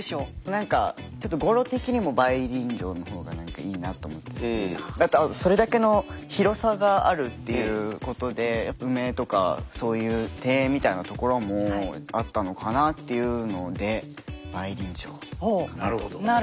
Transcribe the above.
何かちょっと語呂的にも梅林城の方が何かいいなと思ったしあとそれだけの広さがあるっていうことでやっぱ梅とかそういう庭園みたいなところもあったのかなっていうので梅林城かなと思いました。